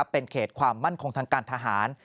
เป็นเขตความมั่นคงทางการทหาร